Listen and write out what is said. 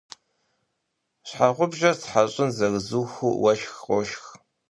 Щхьэгъубжэхэр стхьэщӏын зэрызухыу, уэшх къошх.